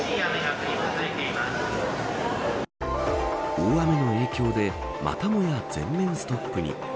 大雨の影響でまたもや全面ストップに。